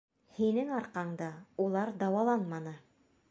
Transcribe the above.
Һинең арҡаңда улар дауаланманы!